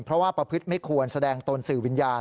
เพราะว่าประพฤติไม่ควรแสดงตนสื่อวิญญาณ